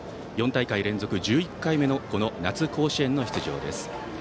４大会連続１１回目のこの夏甲子園の出場です。